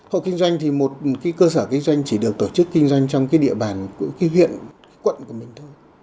hộ kinh doanh thì một cơ sở kinh doanh chỉ được tổ chức kinh doanh trong cái địa bàn huyện quận của mình thôi